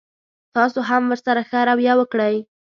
تاسو هم ورسره ښه رويه وکړئ.